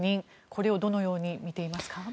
これをどのように見ていますか？